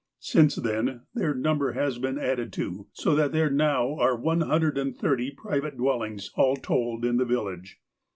Since then, their number has been added to, so that there now are one hundred and thirty private dwell ings, all told, in the village.